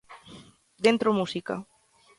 Dentro música.